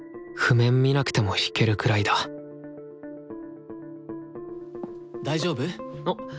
見なくても弾けるくらいだ大丈夫？